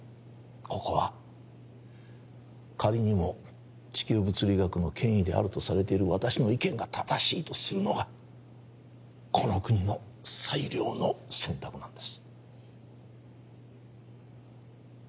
ここは仮にも地球物理学の権威であるとされている私の意見が正しいとするのがこの国の最良の選択なんです